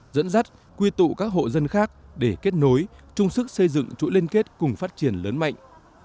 dẫn dắt quy tụ các hộ dân khác để kết nối trung sức xây dựng chuỗi liên kết cùng phát triển lớn mạnh